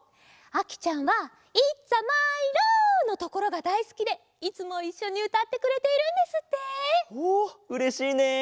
あきちゃんは「いざまイロう！」のところがだいすきでいつもいっしょにうたってくれているんですって！ほううれしいね！